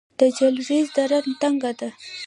د جلریز دره تنګه ده